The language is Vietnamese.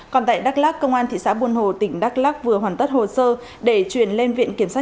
còn tại đắk lắc công an thị xã buôn hồ tỉnh đắk lắc vừa hoàn tất hồ sơ để chuyển lên viện kiểm sát